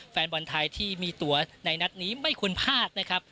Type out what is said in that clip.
แฟนบอลไทยที่มีตัวในนัดนี้ไม่ควรพลาดนะครับ